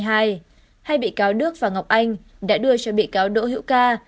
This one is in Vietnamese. hai bị cáo đức và ngọc anh đã đưa cho bị cáo đỗ hữu ca